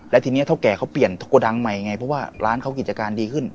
แล้วทีนี้เท่าแก่เขาเปลี่ยนโกดังใหม่ไงเพราะว่าร้านเขากิจการดีขึ้น